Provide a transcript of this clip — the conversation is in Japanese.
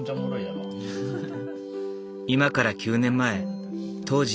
今から９年前当